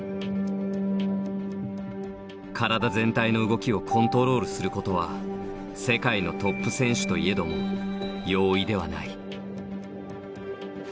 体全体の動きをコントロールすることは世界のトップ選手といえども容易ではない。